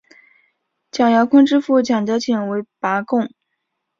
蒋兆鲲之父蒋德璟为拔贡。